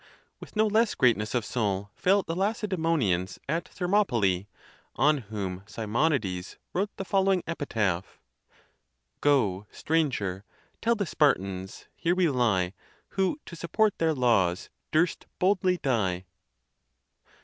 With no less greatness of soul fell the Lacedemonians at Thermopyle, on whom Si monides wrote the following epitaph : Go, stranger, tell the Spartans, here we lie, Who to support their laws durst boldly die.